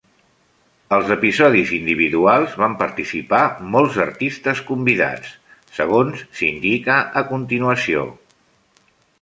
Als episodis individuals van participar molts artistes convidats, segons s'indica a continuació.